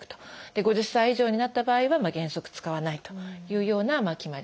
５０歳以上になった場合は原則使わないというような決まりがあります。